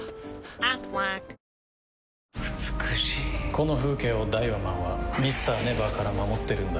この風景をダイワマンはＭｒ．ＮＥＶＥＲから守ってるんだ。